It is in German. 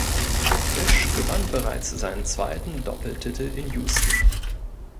Fish gewann bereits seinen zweiten Doppeltitel in Houston.